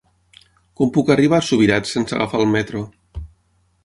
Com puc arribar a Subirats sense agafar el metro?